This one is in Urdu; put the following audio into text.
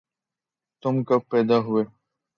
تم کب پیدا ہوئے